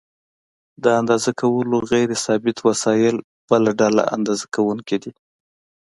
د اندازه کولو غیر ثابت وسایل بله ډله اندازه کوونکي دي.